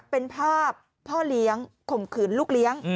เป็นภาพพ่อเลี้ยงข่มขืนลูกเลี้ยง